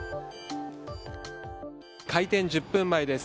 開店１０分前です。